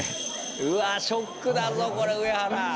うわ、ショックだぞ、これウエハラ。